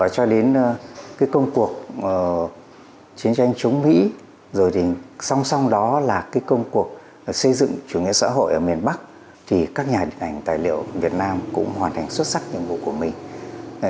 cho đến công cuộc chiến tranh chống mỹ xong xong đó là công cuộc xây dựng chủ nghĩa xã hội ở miền bắc các nhà điện ảnh tài liệu việt nam cũng hoàn thành xuất sắc nhiệm vụ của mình